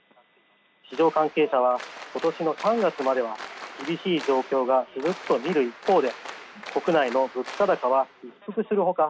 市場関係者は今年の３月までは厳しい状況が続くと見る一方で国内の物価高は一服するほか